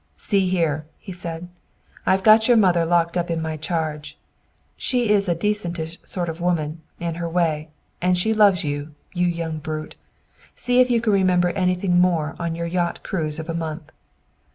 "See here," he said. "I've got your mother locked up in my charge. She is a decentish sort of woman, in her way, and she loves you, you young brute. See if you can remember anything more in your yacht cruise of a month.